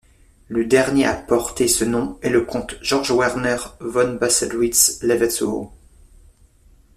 Le dernier à porter ce nom est le comte Georg Werner von Bassewitz-Levetzow.